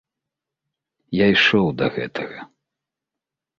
Я ішоў да гэтага.